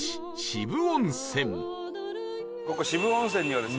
ここ渋温泉にはですね